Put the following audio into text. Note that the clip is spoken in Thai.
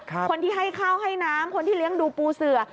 คนที่ให้ข้าวให้น้ำคนที่เลี้ยงดูปูเสือ